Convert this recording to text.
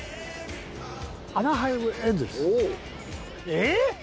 えっ！